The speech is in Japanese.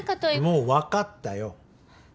もう分かったよ。